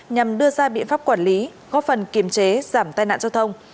nhằm đưa ra biện pháp quản lý góp phần kiềm chế giảm tai nạn giao thông